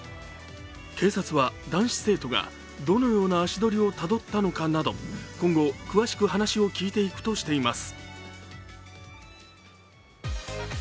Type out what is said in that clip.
警察は男子生徒がどのような足取りをたどったのかなど今後、詳しく話を聞いていくとしています。